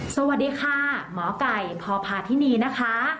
สวัสดีค่ะหมอไก่พพาธินีนะคะ